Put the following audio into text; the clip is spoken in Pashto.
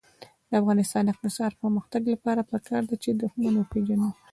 د افغانستان د اقتصادي پرمختګ لپاره پکار ده چې دښمن وپېژنو.